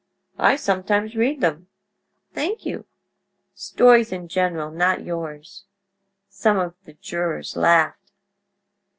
"I sometimes read them." "Thank you." "Stories in general—not yours." Some of the jurors laughed.